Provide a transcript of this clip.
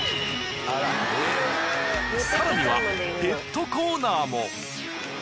更にはペットコーナーも。